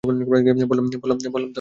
বললাম তো গাড়ি থামাও।